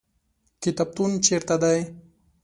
کتابتون چیرته دی؟